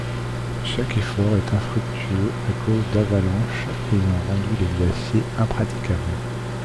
Chaque effort est infructueux à cause d'avalanches ayant rendu les glaciers impraticables.